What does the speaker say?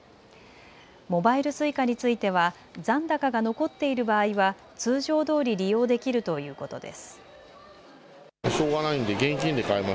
モバイルＳｕｉｃａについては残高が残っている場合は通常どおり利用できるということです。